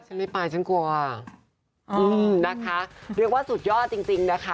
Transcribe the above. ฉันไม่ไปฉันกลัวอ่ะเรียกว่าสุดยอดจริงนะคะ